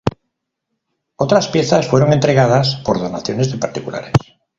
Otras piezas fueron entregadas por donaciones de particulares.